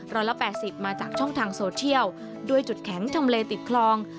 ร้อยละแปดสิบมาจากช่องทางโซเชียลด้วยจุดแข็งทำเลติดคลอง